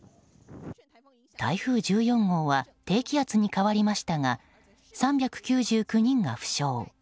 台風１４号は低気圧に変わりましたが３９９人が負傷。